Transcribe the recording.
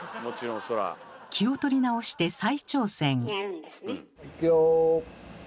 気を取り直して再挑戦。